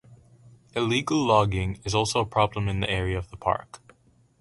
Illegal logging is also a problem in the area of the park.